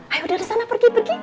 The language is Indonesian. ayo dari sana pergi pergi